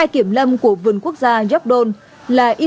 hai kiểm lâm của vườn quốc gia jogdol là y khoan bờ giá